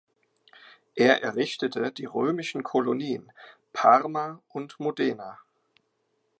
Er errichtete die römischen Kolonien Parma und Modena.